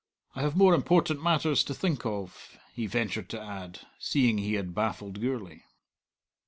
I have more important matters to think of," he ventured to add, seeing he had baffled Gourlay.